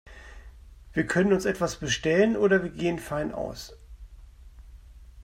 Wir können uns etwas bestellen oder wir gehen fein aus.